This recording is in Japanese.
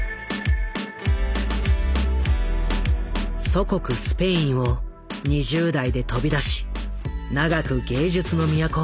祖国スペインを２０代で飛び出し長く芸術の都